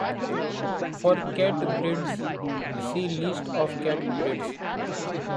For cat breeds, see List of cat breeds.